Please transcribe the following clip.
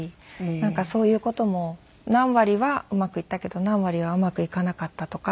なんかそういう事も何割はうまくいったけど何割はうまくいかなかったとか。